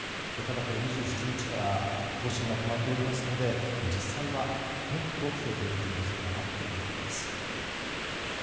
ただ、これは２７日から更新が止まっておりますので実際は、もっと増えている可能性もあるということです。